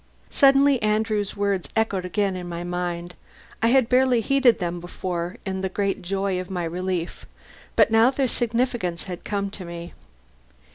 Suddenly Andrew's words echoed again in my mind. I had barely heeded them before, in the great joy of my relief, but now their significance came to me.